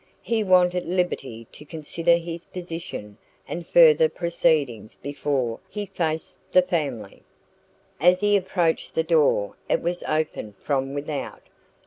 He wanted liberty to consider his position and further proceedings before he faced the family. As he approached the door, it was opened from without.